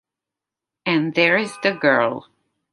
And there's the girl...